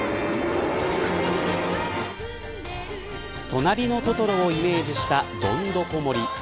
となりのトトロをイメージしたどんどこ森。